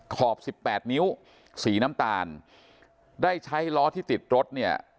ขอบสิบแปดนิ้วสีน้ำตาลได้ใช้ล้อที่ติดรถเนี่ย